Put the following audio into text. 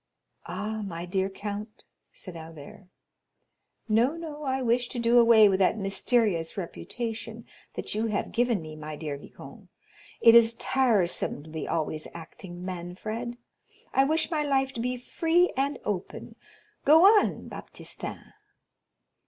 "Ah, my dear count," said Albert. "No, no, I wish to do away with that mysterious reputation that you have given me, my dear viscount; it is tiresome to be always acting Manfred. I wish my life to be free and open. Go on, Baptistin."